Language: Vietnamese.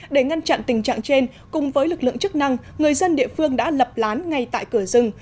để ngăn chặn tình trạng trên cùng với lực lượng chức năng người dân địa phương đã lập lán ngay tại cửa rừng